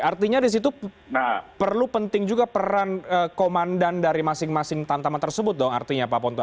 artinya di situ perlu penting juga peran komandan dari masing masing tantaman tersebut dong artinya pak ponto